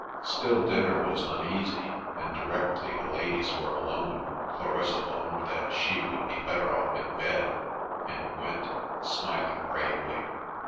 Still, dinner was uneasy, and directly the ladies were alone Clarissa owned that she would be better off in bed, and went, smiling bravely.